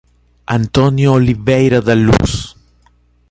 Antônio Oliveira da Luz